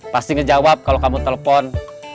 pasti ngejawab kalau kamu telpon